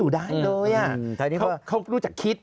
เขารู้จักคิด